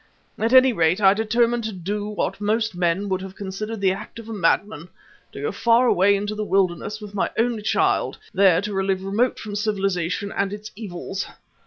At any rate, I determined to do what most men would have considered the act of a madman, to go far away into the wilderness with my only child, there to live remote from civilization and its evils.